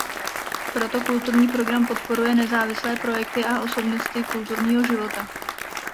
Proto kulturní program podporuje nezávislé projekty a osobnosti kulturního života.